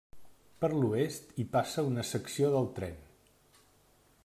Per l'oest hi passa una secció del tren.